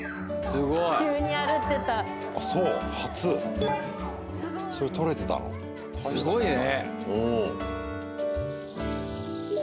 すごいね。